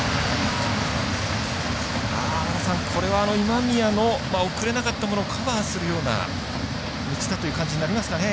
これは今宮の送れなかったものをカバーするような一打という感じになりますかね。